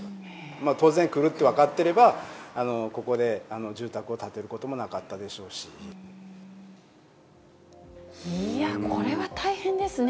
当然、くるって分かってれば、ここで住宅を建てることもなかったでしょいや、これは大変ですね。